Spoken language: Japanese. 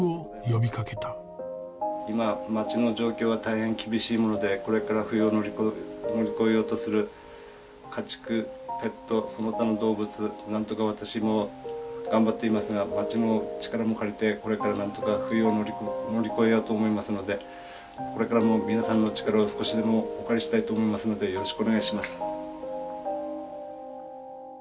今町の状況は大変厳しいものでこれから冬を乗り越えようとする家畜ペットその他の動物なんとか私も頑張っていますが町の力も借りてこれからなんとか冬を乗り越えようと思いますのでこれからも皆さんの力を少しでもお借りしたいと思いますのでよろしくお願いします。